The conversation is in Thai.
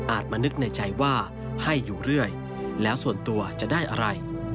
มานึกในใจว่าให้อยู่เรื่อยแล้วส่วนตัวจะได้อะไร